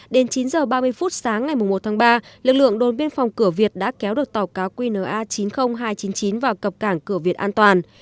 đến chín h ba mươi phút sáng ngày một tháng ba lực lượng đồn biên phòng cửa việt đã kéo được tàu cá qna chín mươi nghìn hai trăm chín mươi chín vào cập cảng cửa việt an toàn